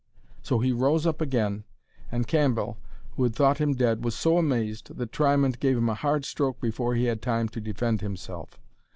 So he rose up again, and Cambell, who had thought him dead, was so amazed that Triamond gave him a hard stroke before he had time to defend himself.